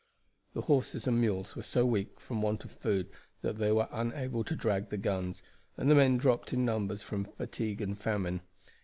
The horses and mules were so weak from want of food that they were unable to drag the guns, and the men dropped in numbers from fatigue and famine.